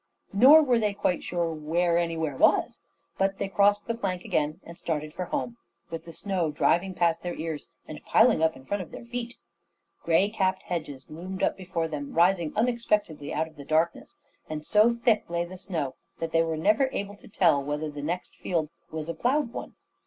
Nor were they quite sure where anywhere was, but they crossed the plank again and started for home, with the snow driving past their ears and piling up in front of their feet. Grey capped hedges loomed up before them, rising unexpectedly out of the darkness; and so thick lay the snow that they were never able to tell whether the next field was a ploughed one.